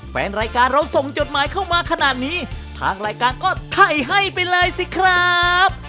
แฟนรายการเราส่งจดหมายเข้ามาขนาดนี้ทางรายการก็ถ่ายให้ไปเลยสิครับ